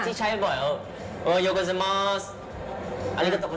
มาเยาะคุณมากทุกครั้ง